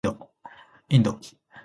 インド